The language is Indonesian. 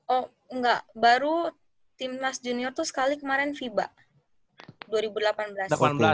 oh enggak baru timnas junior tuh sekali kemarin fiba dua ribu delapan belas